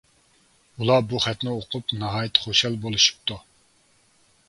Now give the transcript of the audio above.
ئۇلار بۇ خەتنى ئوقۇپ ناھايىتى خۇشال بولۇشۇپتۇ.